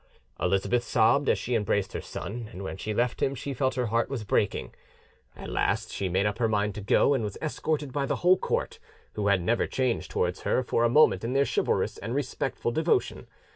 Elizabeth sobbed as she embraced her son, and when she left him she felt her heart was breaking. At last she made up her mind to go, and was escorted by the whole court, who had never changed towards her for a moment in their chivalrous and respectful devotion.